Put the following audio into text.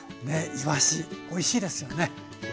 いわしおいしいですね。